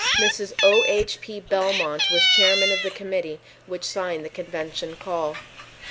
Mrs. O. H. P. Belmont was chairman of the committee which signed the convention call.